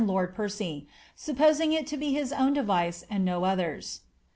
lord Percy, supposing it to be his own device, and no other's.''